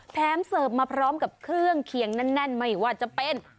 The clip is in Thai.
เสิร์ฟมาพร้อมกับเครื่องเคียงแน่นไม่ว่าจะเป็น